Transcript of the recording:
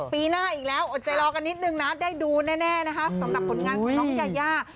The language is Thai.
ปีหน้าอีกแล้วอดใจรอกันนิดนึงนะได้ดูแน่นะคะสำหรับผลงานของน้องยายา